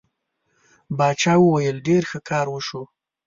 باچا وویل ډېر ښه کار وشو.